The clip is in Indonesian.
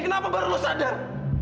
kenapa baru lo sadar